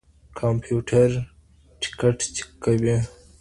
کمپيوټر ټکټ چک کوي.